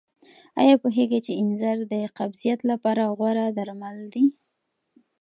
آیا پوهېږئ چې انځر د قبضیت لپاره غوره درمل دي؟